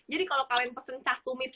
jadi kalo kalian pesen cah tumis